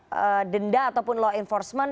tidak memberikan denda ataupun law enforcement